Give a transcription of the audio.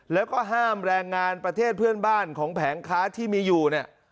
แล้วก็ห้ามแรงงานประเทศเพื่อนบ้านของแผงค้าที่มีอยู่เนี่ย